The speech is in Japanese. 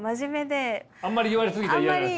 あんまり言われ過ぎても嫌なんですね。